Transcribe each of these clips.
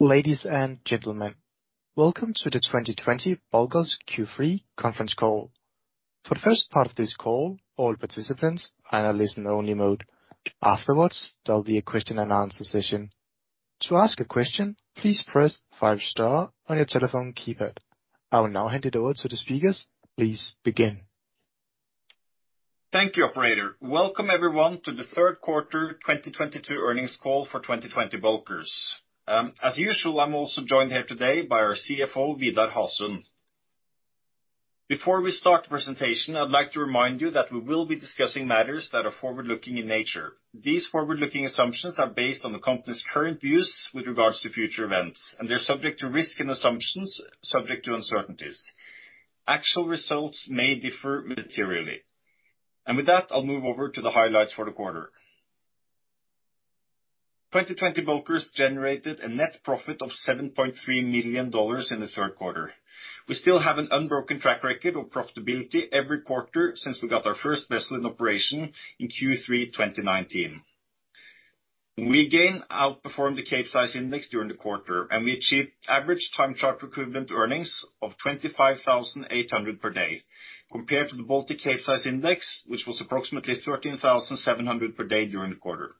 Ladies and gentlemen, welcome to the 2020 Bulkers Q3 conference call. For the first part of this call, all participants are in a listen-only mode. Afterwards, there'll be a question and answer session. To ask a question, please press star five on your telephone keypad. I will now hand it over to the speakers. Please begin. Thank you, operator. Welcome everyone to the third quarter 2022 earnings call for 2020 Bulkers. As usual, I'm also joined here today by our CFO, Vidar Hasund. Before we start the presentation, I'd like to remind you that we will be discussing matters that are forward-looking in nature. These forward-looking assumptions are based on the company's current views with regards to future events, and they're subject to risk and assumptions subject to uncertainties. Actual results may differ materially. With that, I'll move over to the highlights for the quarter. 2020 Bulkers generated a net profit of $7.3 million in the third quarter. We still have an unbroken track record of profitability every quarter since we got our first vessel in operation in Q3 2019. We again outperformed the Capesize Index during the quarter, and we achieved average time charter equivalent earnings of $25,800 per day compared to the Baltic Capesize Index, which was approximately $13,700 per day during the quarter.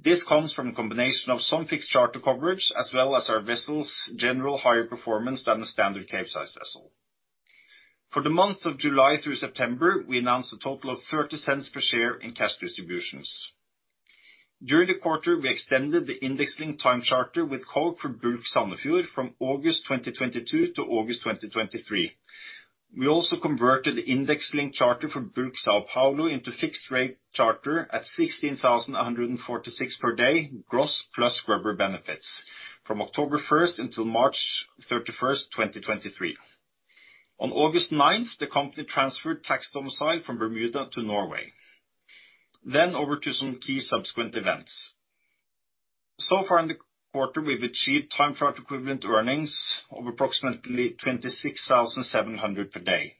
This comes from a combination of some fixed charter coverage as well as our vessels' general higher performance than the standard Capesize vessel. For the months of July through September, we announced a total of $0.30 per share in cash distributions. During the quarter, we extended the index link time charter with Koch for Bulk Sandefjord from August 2022 to August 2023. We also converted the index link charter for Bulk São Paulo into fixed rate charter at $16,146 per day gross plus scrubber benefits from October 1st until March 31st, 2023. On August 9, the company transferred tax domicile from Bermuda to Norway. Over to some key subsequent events. So far in the quarter, we've achieved time charter equivalent earnings of approximately $26,700 per day.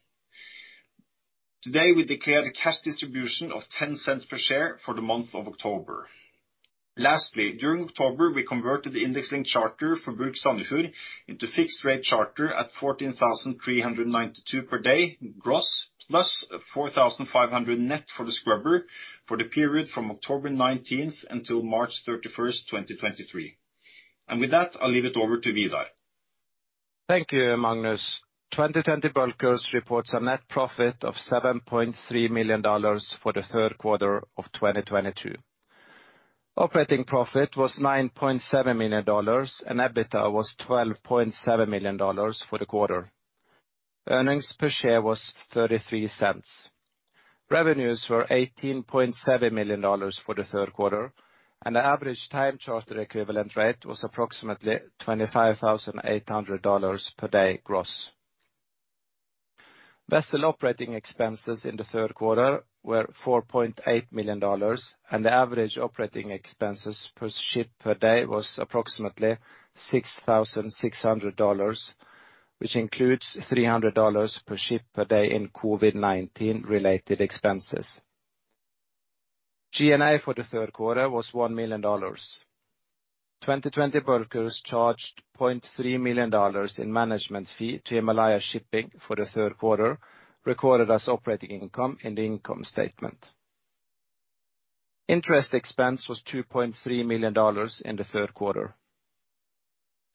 Today, we declared a cash distribution of $0.10 per share for the month of October. Lastly, during October, we converted the index-linked charter for Bulk Sandefjord into fixed rate charter at $14,392 per day gross plus $4,500 net for the scrubber for the period from October 19th until March 31st, 2023. With that, I'll leave it over to Vidar. Thank you, Magnus. 2020 Bulkers reports a net profit of $7.3 million for the third quarter of 2022. Operating profit was $9.7 million, and EBITDA was $12.7 million for the quarter. Earnings per share was $0.33. Revenues were $18.7 million for the third quarter, and the average time charter equivalent rate was approximately $25,800 per day gross. Vessel operating expenses in the third quarter were $4.8 million, and the average operating expenses per ship per day was approximately $6,600, which includes $300 per ship per day in COVID-19 related expenses. G&A for the third quarter was $1 million. 2020 Bulkers charged $0.3 million in management fee to Himalaya Shipping for the third quarter, recorded as operating income in the income statement. Interest expense was $2.3 million in the third quarter.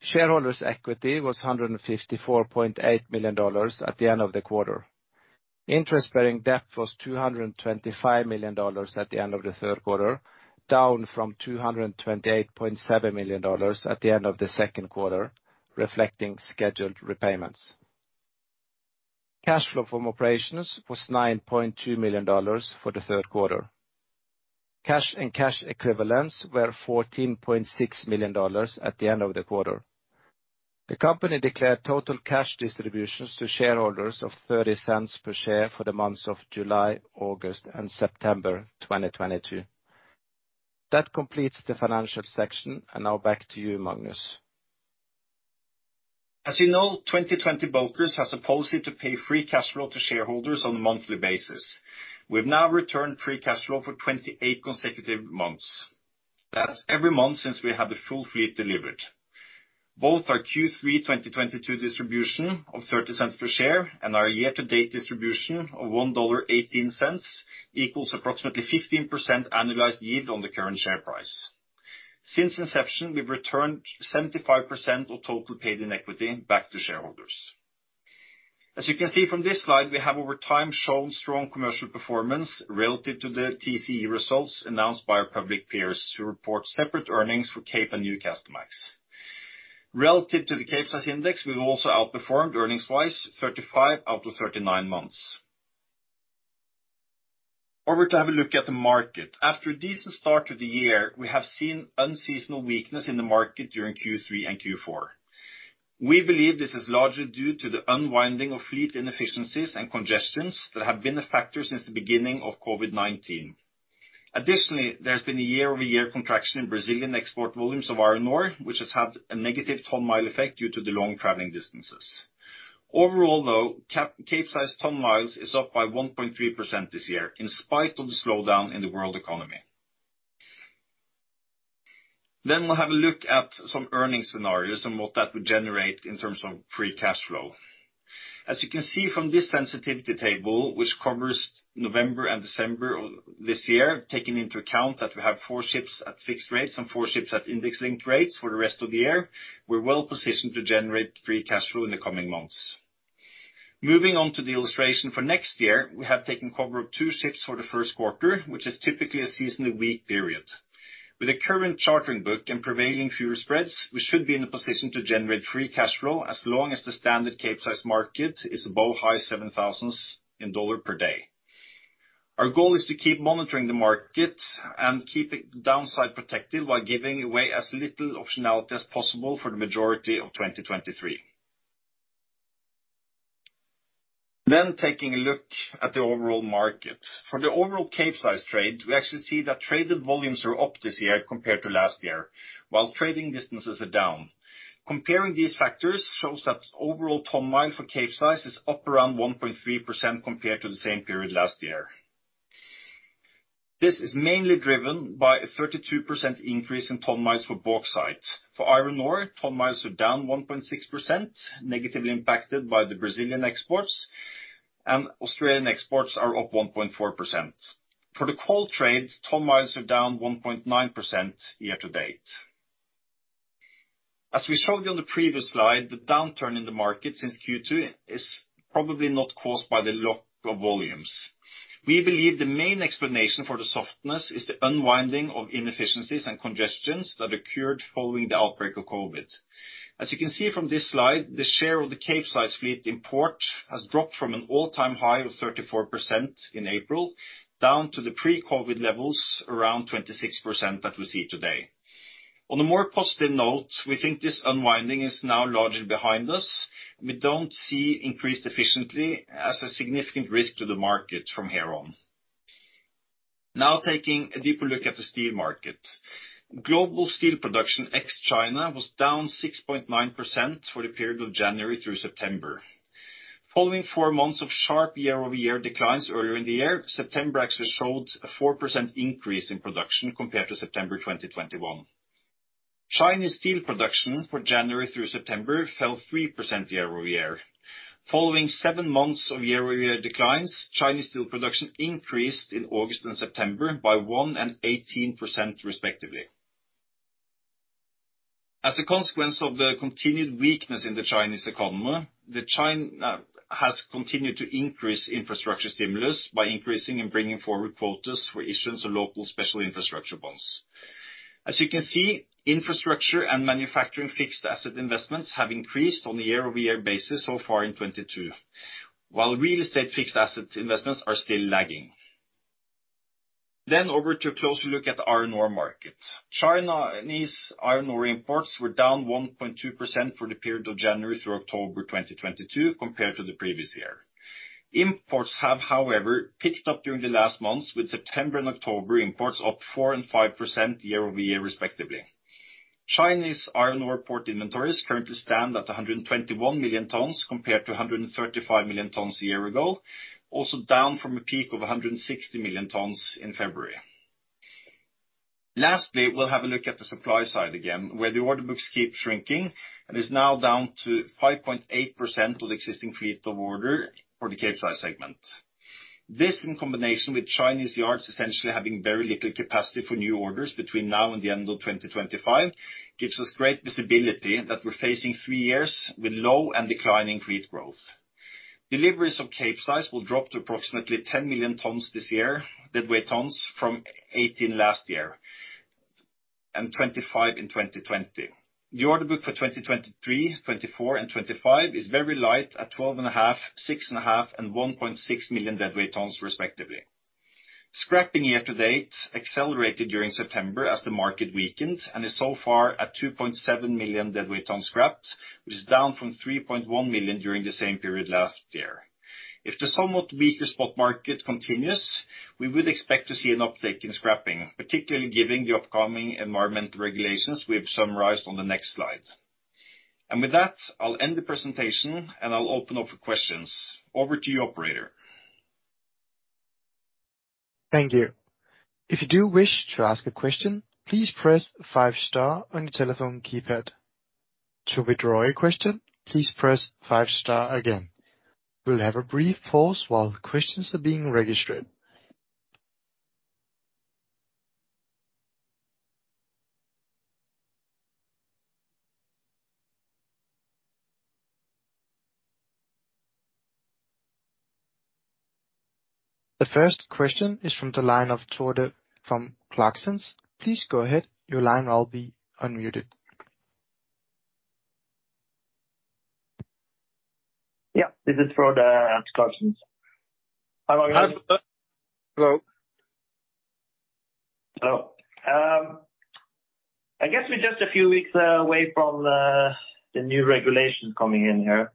Shareholders' equity was $154.8 million at the end of the quarter. Interest-bearing debt was $225 million at the end of the third quarter, down from $228.7 million at the end of the second quarter, reflecting scheduled repayments. Cash flow from operations was $9.2 million for the third quarter. Cash and cash equivalents were $14.6 million at the end of the quarter. The company declared total cash distributions to shareholders of $0.30 per share for the months of July, August, and September 2022. That completes the financial section. Now back to you, Magnus. As you know, 2020 Bulkers has a policy to pay free cash flow to shareholders on a monthly basis. We've now returned free cash flow for 28 consecutive months. That's every month since we had the full fleet delivered. Both our Q3 2022 distribution of $0.30 per share and our year-to-date distribution of $1.18 equals approximately 15% annualized yield on the current share price. Since inception, we've returned 75% of total paid in equity back to shareholders. As you can see from this slide, we have over time shown strong commercial performance relative to the TCE results announced by our public peers who report separate earnings for Capesize and Newcastlemax. Relative to the Capesize Index, we've also outperformed earnings-wise 35 out of 39 months. Now, to have a look at the market. After a decent start to the year, we have seen unseasonal weakness in the market during Q3 and Q4. We believe this is largely due to the unwinding of fleet inefficiencies and congestions that have been a factor since the beginning of COVID-19. Additionally, there's been a year-over-year contraction in Brazilian export volumes of iron ore, which has had a negative ton-mile effect due to the long traveling distances. Overall though, Capesize ton-miles is up by 1.3% this year in spite of the slowdown in the world economy. We'll have a look at some earnings scenarios and what that would generate in terms of free cash flow. As you can see from this sensitivity table, which covers November and December of this year, taking into account that we have four ships at fixed rates and four ships at index-linked rates for the rest of the year, we're well positioned to generate free cash flow in the coming months. Moving on to the illustration for next year, we have taken cover of two ships for the first quarter, which is typically a seasonally weak period. With the current chartering book and prevailing fuel spreads, we should be in a position to generate free cash flow as long as the standard Capesize market is above high 7,000s in dollars per day. Our goal is to keep monitoring the market and keep it downside protected while giving away as little optionality as possible for the majority of 2023. Taking a look at the overall market. For the overall Capesize trade, we actually see that traded volumes are up this year compared to last year while trading distances are down. Comparing these factors shows that overall ton-mile for Capesize is up around 1.3% compared to the same period last year. This is mainly driven by a 32% increase in ton-miles for bauxite. For iron ore, ton-miles are down 1.6%, negatively impacted by the Brazilian exports, and Australian exports are up 1.4%. For the coal trade, ton-miles are down 1.9% year to date. As we showed you on the previous slide, the downturn in the market since Q2 is probably not caused by the lack of volumes. We believe the main explanation for the softness is the unwinding of inefficiencies and congestions that occurred following the outbreak of COVID. As you can see from this slide, the share of the Capesize fleet in port has dropped from an all-time high of 34% in April, down to the pre-COVID levels, around 26% that we see today. On a more positive note, we think this unwinding is now largely behind us. We don't see increased inefficiency as a significant risk to the market from here on. Now taking a deeper look at the steel market. Global steel production ex-China was down 6.9% for the period of January through September. Following four months of sharp year-over-year declines earlier in the year, September actually showed a 4% increase in production compared to September 2021. Chinese steel production for January through September fell 3% year-over-year. Following seven months of year-over-year declines, Chinese steel production increased in August and September by 1% and 18% respectively. As a consequence of the continued weakness in the Chinese economy, China has continued to increase infrastructure stimulus by increasing and bringing forward quotas for issuance of local special infrastructure bonds. As you can see, infrastructure and manufacturing fixed asset investments have increased on a year-over-year basis so far in 2022, while real estate fixed asset investments are still lagging. Over to a closer look at iron ore market. Chinese iron ore imports were down 1.2% for the period of January through October 2022 compared to the previous year. Imports have, however, picked up during the last months, with September and October imports up 4% and 5% year-over-year respectively. Chinese iron ore port inventories currently stand at 121 million tons compared to 135 million tons a year ago, also down from a peak of 160 million tons in February. Lastly, we'll have a look at the supply side again, where the order books keep shrinking and is now down to 5.8% of the existing fleet on order for the Capesize segment. This, in combination with Chinese yards essentially having very little capacity for new orders between now and the end of 2025, gives us great visibility that we're facing three years with low and declining fleet growth. Deliveries of Capesize will drop to approximately 10 million tons this year, deadweight tons, from 18 last year, and 25 in 2020. The order book for 2023, 2024, and 2025 is very light at 12.5, 6.5, and 1.6 million deadweight tons respectively. Scrapping year to date accelerated during September as the market weakened, and is so far at 2.7 million deadweight tons scrapped, which is down from 3.1 million during the same period last year. If the somewhat weaker spot market continues, we would expect to see an uptick in scrapping, particularly given the upcoming environmental regulations we have summarized on the next slide. With that, I'll end the presentation, and I'll open up for questions. Over to you, operator. Thank you. If you do wish to ask a question, please press five star on your telephone keypad. To withdraw your question, please press five star again. We'll have a brief pause while questions are being registered. The first question is from the line of Frode Mørkedal from Clarksons. Please go ahead. Your line will be unmuted. Yeah, this is Frode for Clarksons. Hello. Hello. Hello. I guess we're just a few weeks away from the new regulations coming in here.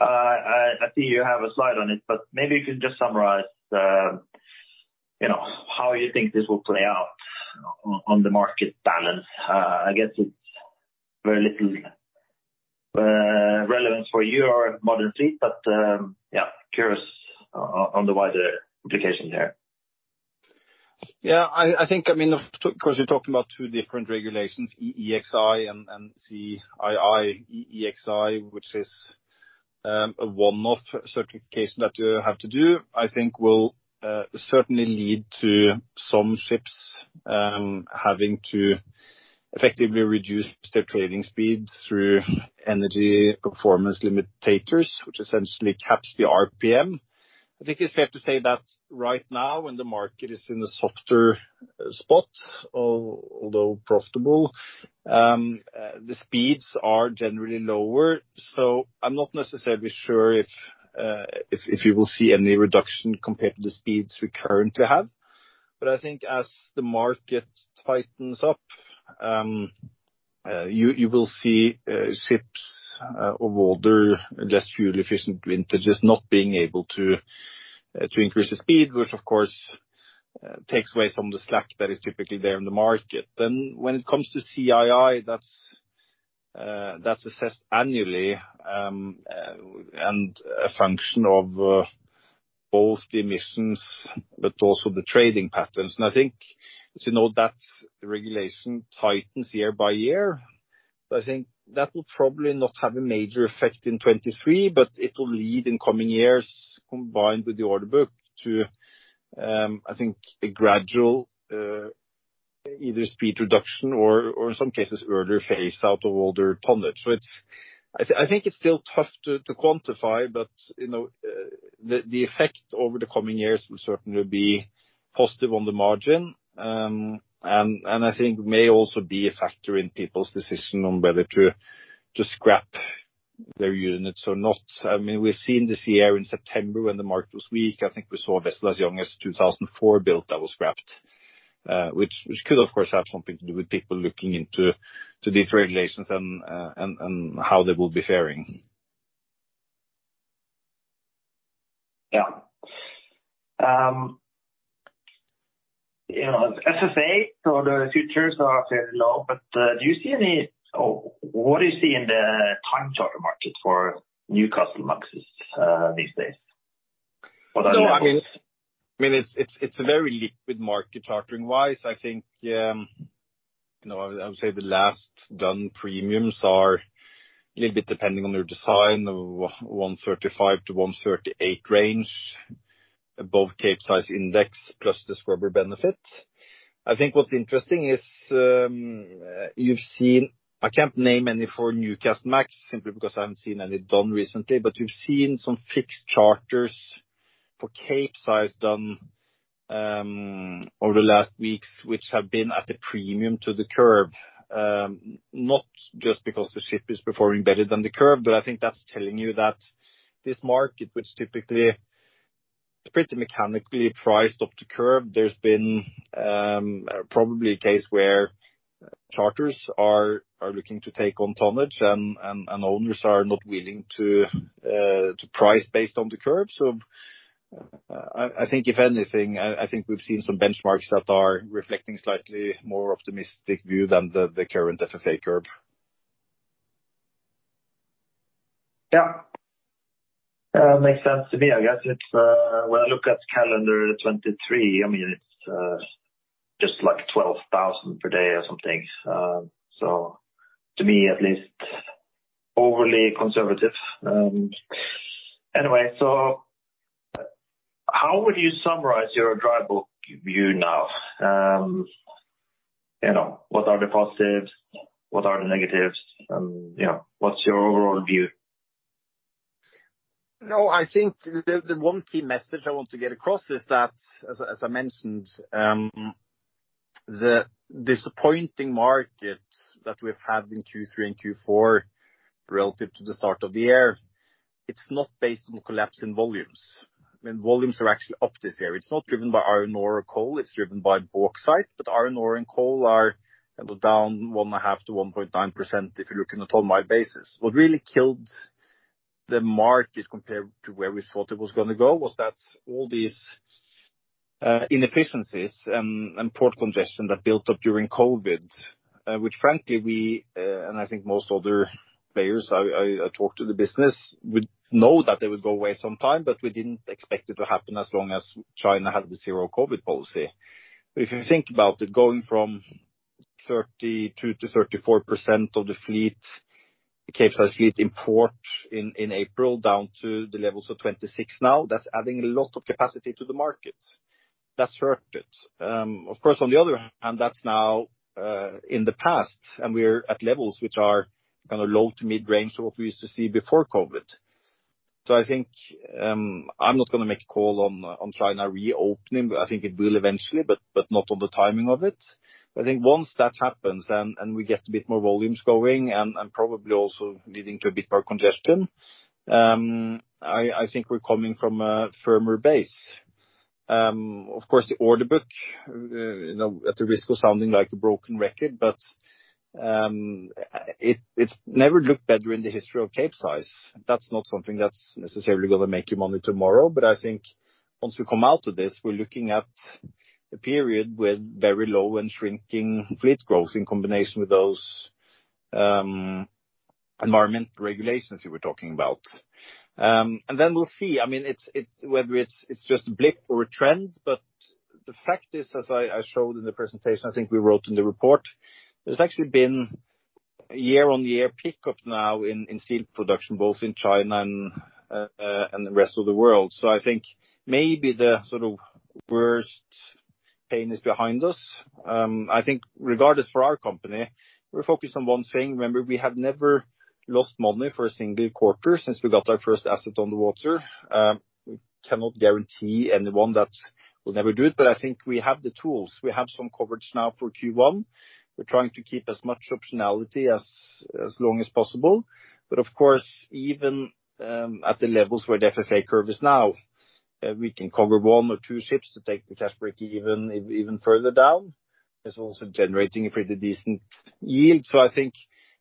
I see you have a slide on it, but maybe you can just summarize, you know, how you think this will play out on the market balance? I guess it's very little relevance for you or modern fleet, but yeah, curious on the wider implications here. Yeah. I think, I mean, of course, you're talking about two different regulations, EEXI and CII. EEXI, which is a one-off certification that you have to do, I think will certainly lead to some ships having to effectively reduce their trading speeds through Engine Power Limitation, which essentially caps the RPM. I think it's fair to say that right now, when the market is in a softer spot, although profitable, the speeds are generally lower. I'm not necessarily sure if you will see any reduction compared to the speeds we currently have. I think as the market tightens up, you will see ships of older, less fuel efficient vintages not being able to increase the speed, which of course takes away some of the slack that is typically there in the market. When it comes to CII, that's assessed annually, and a function of both the emissions but also the trading patterns. I think, as you know, that regulation tightens year by year. I think that will probably not have a major effect in 2023, but it will lead in coming years, combined with the order book to, I think a gradual either speed reduction or in some cases earlier phase out of older tonnage. I think it's still tough to quantify, but, you know, the effect over the coming years will certainly be positive on the margin, and I think may also be a factor in people's decision on whether to scrap their units or not. I mean, we've seen this year in September when the market was weak, I think we saw a vessel as young as 2004 built that was scrapped, which could of course have something to do with people looking into these regulations and how they will be faring. Yeah. You know, FFA or the futures are fairly low, but, what do you see in the time charter market for Newcastlemax these days? No, I mean, it's a very liquid market chartering wise. I think, you know, I would say the last done premiums are a little bit depending on their design of 135-138 range, above Capesize Index plus the scrubber benefit. I think what's interesting is, I can't name any for Newcastlemax simply because I haven't seen any done recently, but we've seen some fixed charters for Capesize done over the last weeks, which have been at a premium to the curve. Not just because the ship is performing better than the curve, but I think that's telling you that this market, which typically is pretty mechanically priced up the curve. There's been probably a case where charters are looking to take on tonnage and owners are not willing to price based on the curve. I think if anything, I think we've seen some benchmarks that are reflecting slightly more optimistic view than the current FFA curve. Yeah. Makes sense to me. I guess it's when I look at calendar 2023, I mean, it's just like $12,000 per day or something. To me, at least, overly conservative. Anyway, how would you summarize your dry bulk view now? You know, what are the positives? What are the negatives? You know, what's your overall view? No, I think the one key message I want to get across is that, as I mentioned, the disappointing market that we've had in Q3 and Q4 relative to the start of the year, it's not based on collapse in volumes. I mean, volumes are actually up this year. It's not driven by iron ore or coal. It's driven by bauxite. But iron ore and coal are kind of down 1.5%-1.9% if you're looking at ton-mile basis. What really killed the market compared to where we thought it was gonna go was that all these inefficiencies and port congestion that built up during COVID, which frankly we and I think most other players I talk to in the business would know that they would go away sometime, but we didn't expect it to happen as long as China had the zero COVID policy. If you think about it, going from 32%-34% of the fleet, the Capesize fleet in port in April down to the levels of 26% now, that's adding a lot of capacity to the market. That's hurt it. Of course, on the other hand, that's now in the past, and we're at levels which are kind of low to mid-range of what we used to see before COVID. I think I'm not gonna make a call on China reopening, but I think it will eventually, but not on the timing of it. I think once that happens and we get a bit more volumes going and probably also leading to a bit more congestion, I think we're coming from a firmer base. Of course, the order book, you know, at the risk of sounding like a broken record, it’s never looked better in the history of Capesize. That's not something that's necessarily gonna make you money tomorrow. I think once we come out of this, we're looking at a period with very low and shrinking fleet growth in combination with those environmental regulations you were talking about. Then we'll see. I mean, it's whether it's just a blip or a trend, but the fact is, as I showed in the presentation, I think we wrote in the report, there's actually been year-on-year pickup now in steel production, both in China and the rest of the world. I think maybe the sort of worst pain is behind us. I think regardless for our company, we're focused on one thing. Remember, we have never lost money for a single quarter since we got our first asset on the water. We cannot guarantee anyone that we'll never do it, but I think we have the tools. We have some coverage now for Q1. We're trying to keep as much optionality as long as possible. Of course, even at the levels where the FFA curve is now, we can cover one or two ships to take the cash breakeven even further down. It's also generating a pretty decent yield. I think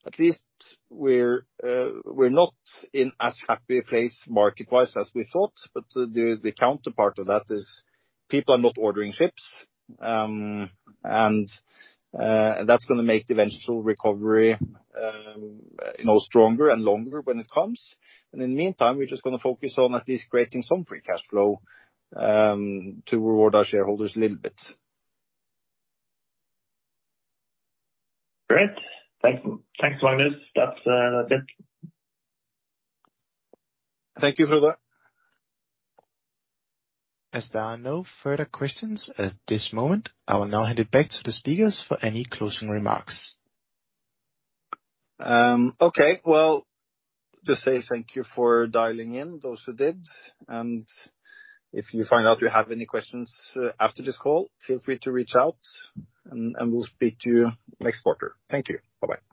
at least we're not in as happy a place market-wise as we thought. The counterpart of that is people are not ordering ships, and that's gonna make the eventual recovery, you know, stronger and longer when it comes. In the meantime, we're just gonna focus on at least creating some free cash flow to reward our shareholders a little bit. Great. Thanks, Magnus. That's it. Thank you Frode. As there are no further questions at this moment, I will now hand it back to the speakers for any closing remarks. Okay. Well, just say thank you for dialing in, those who did. If you find out you have any questions, after this call, feel free to reach out and we'll speak to you next quarter. Thank you. Bye-bye.